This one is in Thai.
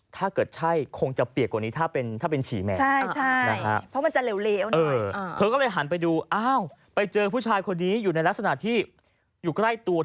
ไปฟังเสียงของเธอหน่อยนะครับ